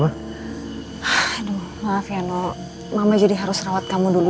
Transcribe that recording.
akulah mag grad butterment dari aku